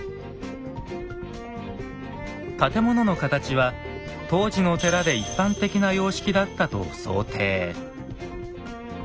建物の形は当時の寺で一般的な様式だったと想定。